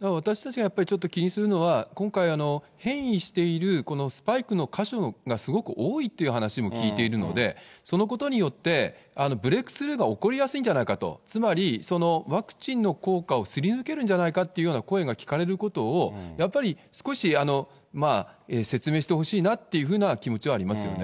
私たちがやっぱりちょっと気にするのは、今回、変異しているこのスパイクの箇所がすごく多いっていう話も聞いているので、そのことによって、ブレークスルーが起こりやすいんじゃないかと、つまりワクチンの効果をすり抜けるんじゃないかっていうような声が聞かれることをやっぱり少し、説明してほしいなっていうふうな気持ちはありますよね。